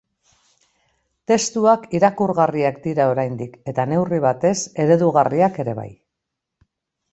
Testuak irakurgarriak dira oraindik eta, neurri batez, eredugarriak ere bai.